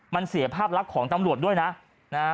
มันเสียภาพลักษณ์ของตำรวจด้วยนะนะฮะ